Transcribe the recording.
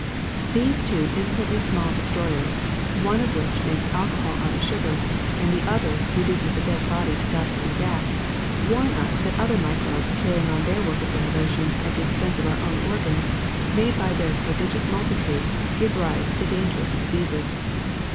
*' These two infinitely small destroyers, one of which makes alcohol out of sugar, and the other re duces a dead body to dust and gas, warn us that other microbes carrying on their work of demolition at the expense of our own organs may by their prodigious multitude give rise to dangerous diseases.